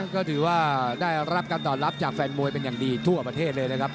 ก็ถือว่าได้รับการตอบรับจากแฟนมวยเป็นอย่างดีทั่วประเทศเลยนะครับ